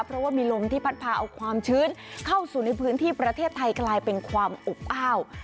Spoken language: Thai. เพราะว่ามีลมที่พัดพาเอาความชื้นเข้าสู่ในพื้นที่ประเทศไทยกลายเป็นความอบอ้าว